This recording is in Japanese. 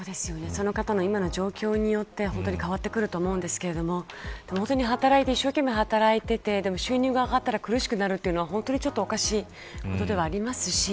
その方の今の状況によって変わってくると思いますが一生懸命働いていて収入上がったら苦しくなるというのは、本当におかしいことではあります。